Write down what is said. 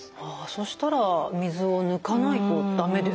そしたら水を抜かないと駄目ですよね？